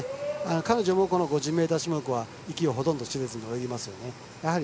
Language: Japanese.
彼女も５０ｍ種目は息をほとんどせずに泳ぎますね。